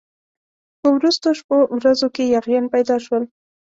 په وروستو شپو ورځو کې یاغیان پیدا شول.